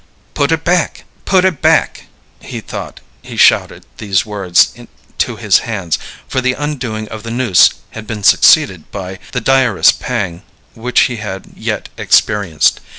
"Put it back, put it back!" He thought he shouted these words to his hands, for the undoing of the noose had been succeeded by the direst pang which he had yet experienced.